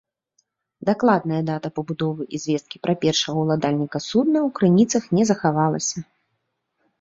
Дакладная дата пабудовы і звесткі пра першага ўладальніка судна ў крыніцах не захаваліся.